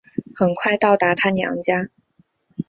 很快到达她娘家